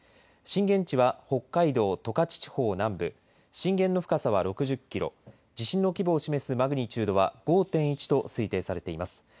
震源地は北海道十勝地方南部、震源の深さは６０キロ、地震の規模を示すマグニチュードは５．１と推定されています。